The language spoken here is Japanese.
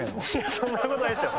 そんなことないですよ。